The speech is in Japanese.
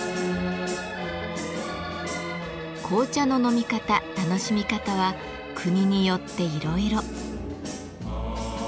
紅茶の飲み方楽しみ方は国によっていろいろ。